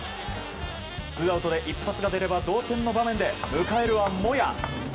ツーアウトで一発が出れば同点の場面で迎えるは、モヤ。